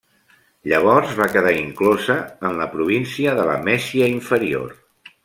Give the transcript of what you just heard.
Llavors va quedar inclosa en la província de la Mèsia Inferior.